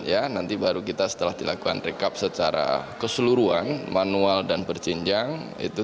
ya nanti baru kita setelah dilakukan rekap secara keseluruhan manual dan berjinjang itu